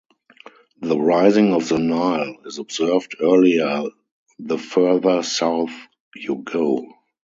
The rising of the Nile is observed earlier the further south you go.